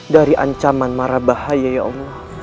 dari ancaman marah bahaya ya allah